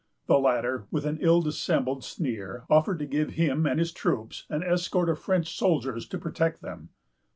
The latter, with an ill dissembled sneer, offered to give him and his troops an escort of French soldiers to protect them.